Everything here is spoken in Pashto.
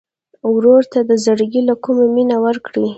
ورور ته د زړګي له کومي مینه ورکوې.